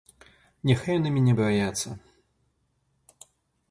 Няхай яны мяне баяцца!